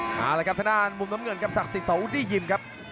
เอาละครับทางด้านมุมน้ำเงินกับศักดิ์ส่ออุดี้ยิมครับ